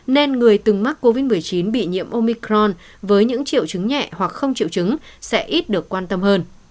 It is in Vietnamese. nên người từng mắc covid một mươi chín bị nhiễm omicron với những triệu chứng nhẹ hoặc không triệu chứng sẽ ít được quan tâm hơn